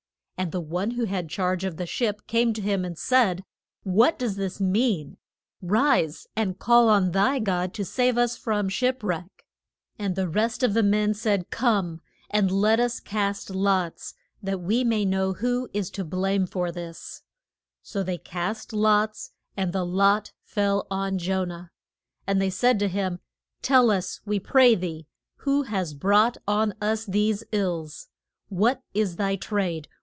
And the one who had charge of the ship came to him and said, What does this mean? Rise, and call on thy God to save us from ship wreck. And the rest of the men said, Come, and let us cast lots that we may know who is to blame for this. [Illustration: JO NAH IN THE STORM.] So they cast lots, and the lot fell on Jo nah. And they said to him, Tell us, we pray thee, who has brought on us these ills. What is thy trade?